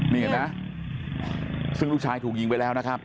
นี่เห็นไหมซึ่งลูกชายถูกยิงไปแล้วนะครับ